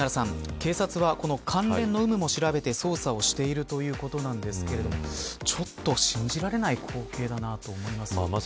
警察は、この関連の有無も調べて捜査をしているということなんですけれどもちょっと信じられない光景だなと思います。